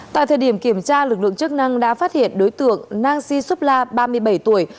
tại thời điểm kiểm tra lực lượng chức năng đã phát hiện đối tượng nang shisupla ba mươi bảy tuổi